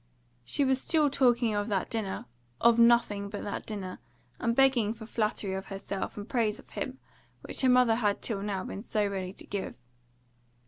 She was still talking of that dinner, of nothing but that dinner, and begging for flattery of herself and praise of him, which her mother had till now been so ready to give.